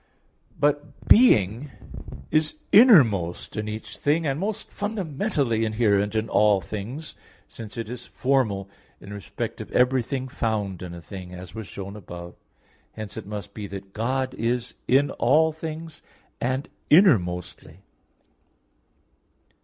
But being is innermost in each thing and most fundamentally inherent in all things since it is formal in respect of everything found in a thing, as was shown above (Q. 7, A. 1). Hence it must be that God is in all things, and innermostly.